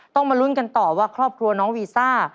มาลุ้นกันต่อว่าครอบครัวน้องวีซ่า